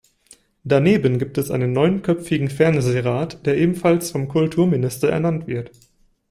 Daneben gibt es einen neunköpfigen Fernsehrat, der ebenfalls vom Kulturminister ernannt wird.